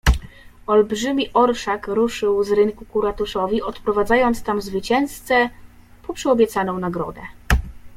"Olbrzymi orszak ruszył z rynku ku ratuszowi, odprowadzając tam zwycięzcę po przyobiecaną nagrodę."